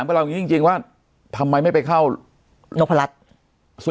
อเจมส์เหมือนอัพเวราะรัชน์